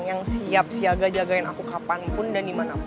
yang siap siaga jagain aku kapanpun dan dimanapun